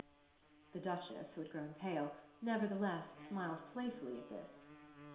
"The Duchess, who had grown pale, nevertheless smiled playfully at this.